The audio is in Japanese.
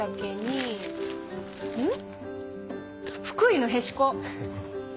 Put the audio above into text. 福井のへしこ。